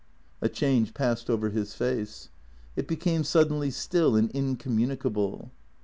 A change passed over his face. It became suddenly still and incommunicable.